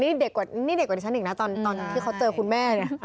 นี่เด็กกว่าฉันอีกนะตอนที่เขาเจอคุณแม่